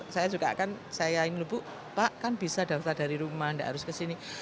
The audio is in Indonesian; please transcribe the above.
saya juga kan saya ini lho bu pak kan bisa daftar dari rumah enggak harus ke sini